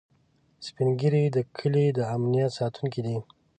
سپین ږیری د کلي د امنيت ساتونکي دي